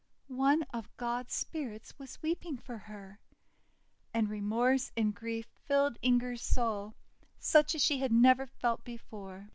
One of God's spirits was weeping for her! And remorse and grief filled Inger's soul, such as she had never felt before.